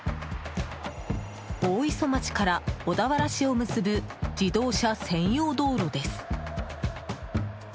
大磯町から小田原市を結ぶ自動車専用道路です。